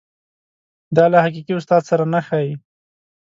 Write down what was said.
دا له حقیقي استاد سره نه ښايي.